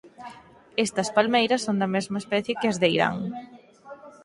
Estas palmeiras son da mesma especie que as de Irán.